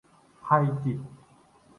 ไพจิตร